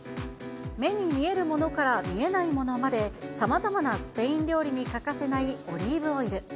目に見えるものから見えないものまで、さまざまなスペイン料理に欠かせないオリーブオイル。